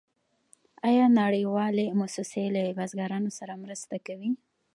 آیا نړیوالې موسسې له بزګرانو سره مرسته کوي؟